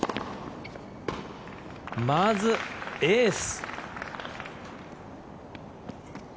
まずエース。